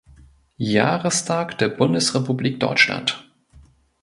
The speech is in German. Jahrestag der Bundesrepublik Deutschland.